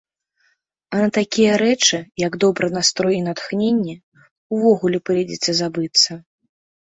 А на такія рэчы, як добры настрой і натхненне, увогуле прыйдзецца забыцца.